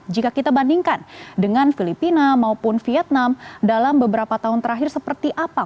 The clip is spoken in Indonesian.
jika kita bandingkan dengan filipina maupun vietnam dalam beberapa tahun terakhir seperti apa